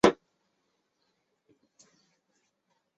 疣柄美喙藓为青藓科美喙藓属下的一个种。